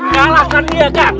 kalahkan dia kanjeng ratu